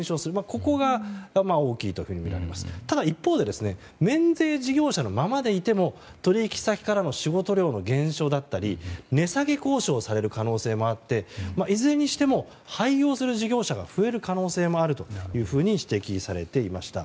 ここが大きくなって、一方免税事業者のままでいても取引先からの仕事量の減少だったり値下げ交渉される可能性もあっていずれにしても廃業する事業者が増える可能性があるとも指摘されていました。